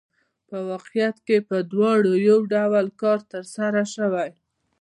په واقعیت کې په دواړو یو ډول کار ترسره شوی